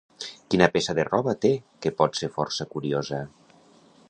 Quina peça de roba té que pot ser força curiosa?